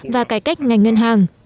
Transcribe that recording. và cải cách ngành ngân hàng